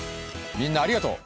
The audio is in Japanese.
みんなありがとう！